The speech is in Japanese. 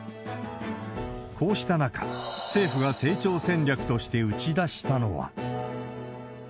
こうした中、政府が成長戦略として打ち出したのは。